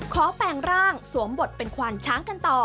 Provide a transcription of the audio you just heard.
แปลงร่างสวมบทเป็นควานช้างกันต่อ